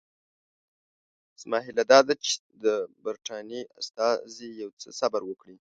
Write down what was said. زما هیله دا ده چې د برټانیې استازي یو څه صبر وکړي.